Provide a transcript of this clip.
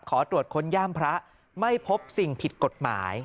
ขอตรวจค้นย่ามพระไม่พบสิ่งผิดกฎหมาย